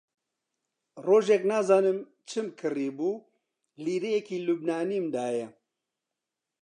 ڕۆژێک نازانم چم کڕیبوو، لیرەیەکی لوبنانیم دایە